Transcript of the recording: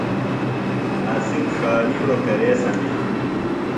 عاصم ݜاوِیڑوۡ کرے سمِیانوۡ؟